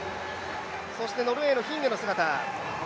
そしてノルウェーのヒンネの姿。